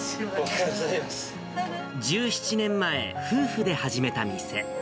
１７年前、夫婦で始めた店。